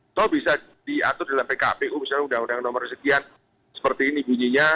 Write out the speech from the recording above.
atau bisa diatur dalam pkpu misalnya undang undang nomor sekian seperti ini bunyinya